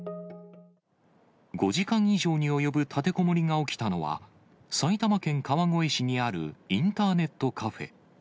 ５時間以上に及ぶ立てこもりが起きたのは、埼玉県川越市にあるインターネットカフェ。